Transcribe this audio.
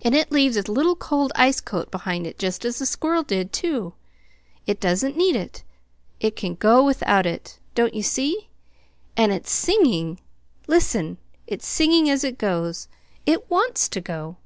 And it leaves its little cold ice coat behind it just as the squirrel did, too. It does n't need it. It can go without it. Don't you see? And it's singing listen! it's singing as it goes. It WANTS to go!"